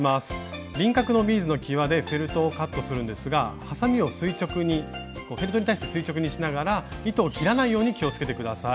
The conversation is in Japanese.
輪郭のビーズのきわでフェルトをカットするんですがはさみをフェルトに対して垂直にしながら糸を切らないように気をつけて下さい。